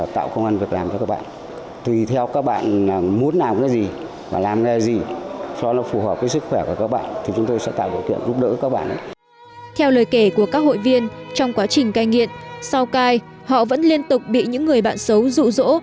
theo lời kể của các hội viên trong quá trình cai nghiện sau cai họ vẫn liên tục bị những người bạn xấu rụ rỗ